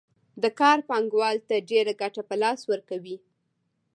دا کار پانګوال ته ډېره ګټه په لاس ورکوي